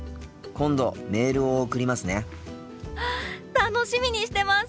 楽しみにしてます！